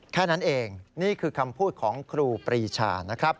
แค่นั้นเองนี่คือคำพูดของครูปรีชานะครับ